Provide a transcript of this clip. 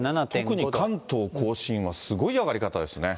特に関東甲信はすごい上がり方ですね。